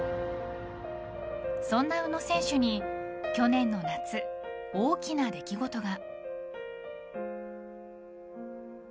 そんな宇野選手に去年の夏大きな出来事が。